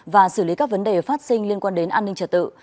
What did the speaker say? và xử lý các vấn đề phát sinh liên quan đến an ninh trật tự